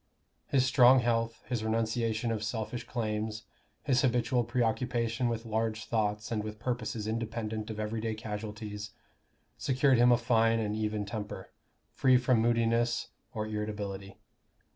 His strong health, his renunciation of selfish claims, his habitual preoccupation with large thoughts and with purposes independent of everyday casualties, secured him a fine and even temper, free from moodiness or irritability.